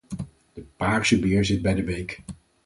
De paarse beer zit bij de beek.